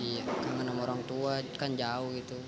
iya kangen sama orang tua kan jauh gitu